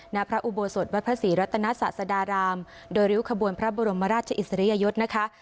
ณพระอุโบสถวัดพระศรีรัตนศาสดารามโดยริ้วขบวนพระบรมราชอิสริยยศนะคะ